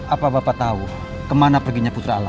apa bapak tahu kemana perginya putra alam